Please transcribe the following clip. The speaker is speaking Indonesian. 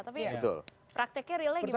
tapi prakteknya realnya gimana